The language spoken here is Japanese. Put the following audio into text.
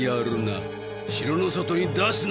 城の外に出すな！